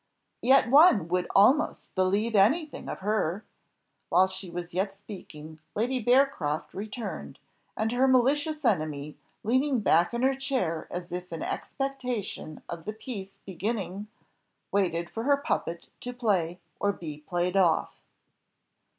"Yet one would almost believe anything of her." While she was yet speaking, Lady Bearcroft returned, and her malicious enemy, leaning back in her chair as if in expectation of the piece beginning, waited for her puppet to play or be played off.